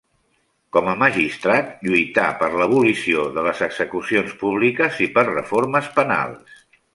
Com a magistrat, lluità per l'abolició de les execucions públiques i per reformes penals.